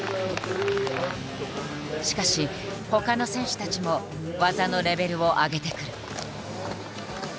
しかしほかの選手たちも技のレベルを上げてくる。